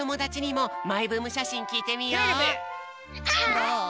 どう？